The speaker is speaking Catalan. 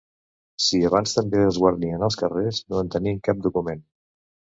Si abans també es guarnien els carrers no en tenim cap document.